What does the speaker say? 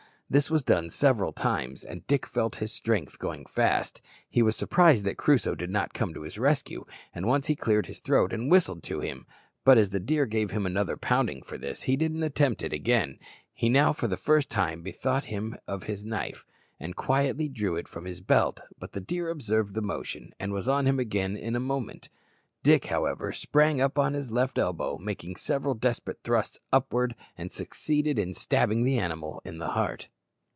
This was done several times, and Dick felt his strength going fast. He was surprised that Crusoe did not come to his rescue, and once he cleared his mouth and whistled to him; but as the deer gave him another pounding for this, he didn't attempt it again. He now for the first time bethought him of his knife, and quietly drew it from his belt; but the deer observed the motion, and was on him again in a moment. Dick, however, sprang up on his left elbow, and making several desperate thrusts upward, succeeded in stabbing the animal to the heart.